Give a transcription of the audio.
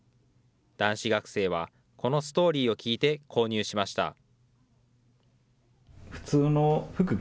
男子学生は、このストーリーを聞いて購入しました。